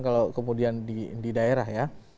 kalau kemudian di daerah ya